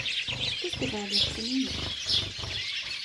Хто спявае лепш за мяне?